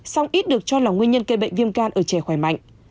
song ít được cho là nguyên nhân gây bệnh viêm gan ở trẻ khỏe mạnh